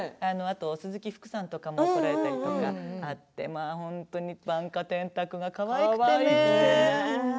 鈴木福さんとかも来られたりとかあって、本当に番家天嵩君がかわいくてね。